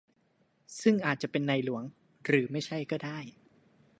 ซึ่งอาจจะเป็นในหลวง หรือไม่ใช่ก็ได้